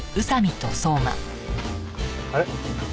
あれ？